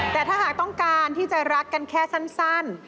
แต่ถ้าหากต้องการที่จะรักกันแค่สั้น